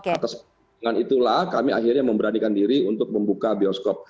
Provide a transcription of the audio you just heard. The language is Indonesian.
atas permukaan itulah kami akhirnya memberanikan diri untuk membuka bioskop